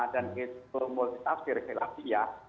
dan itu multitafsir hilal siap